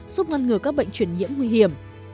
giúp ngăn ngừa các bệnh chuyển nhiễm nguy hiểm